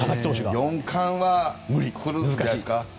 ４冠はくるんじゃないですか。